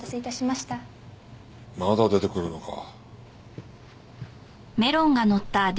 まだ出てくるのか。